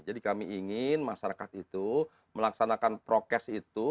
jadi kami ingin masyarakat itu melaksanakan prokes itu